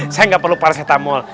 saya gak perlu parasetamol